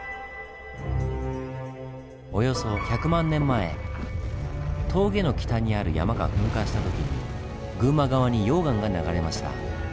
およそ１００万年前峠の北にある山が噴火した時に群馬側に溶岩が流れました。